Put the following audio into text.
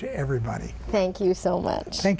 ขอบคุณมาก